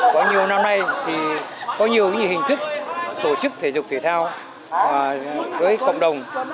có nhiều năm nay thì có nhiều hình thức tổ chức thể dục thể thao với cộng đồng